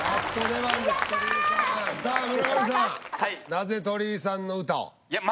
なぜ鳥居さんの歌を？